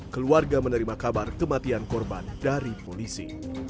keluarga menerima kabar kematian korban dari polisi